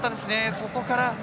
そこから。